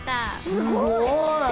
すごい！